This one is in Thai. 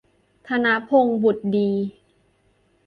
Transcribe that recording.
ธนพงษ์ บุตรดี